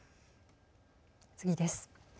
次です。